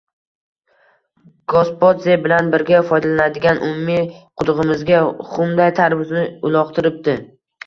Gospodze bilan birga foydalanadigan umumiy qudugʻimizga xumday tarvuzni uloqtiribdi!